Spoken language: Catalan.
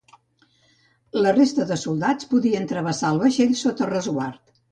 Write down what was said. La resta de soldats podien travessar el vaixell sota resguard.